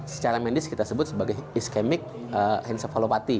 secara medis kita sebut sebagai iskemik encephalopathy